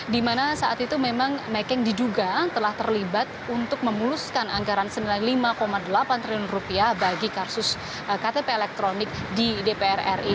dimana saat itu memang mekeng diduga telah terlibat untuk memuluskan anggaran rp sembilan puluh lima delapan triliun bagi kasus ktp elektronik di dpr ri